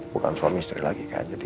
bukan suami dan istri lagi kak jadi